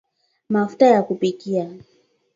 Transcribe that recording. Mafuta ya kupikia